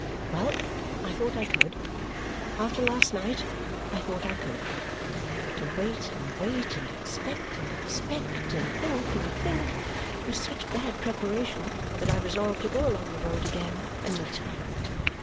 Well, I thought I could. After last night, I thought I could. But to wait and wait, and expect and expect, and think and think, was such bad preparation that I resolved to go along the road again and meet her.